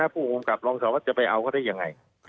ผู้องค์กลับลองสอบว่าจะไปเอาก็ได้ยังไง